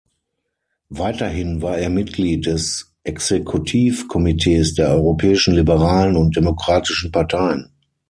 Weiterhin war er Mitglied des Exekutivkomitees der Europäischen Liberalen und Demokratischen Parteien.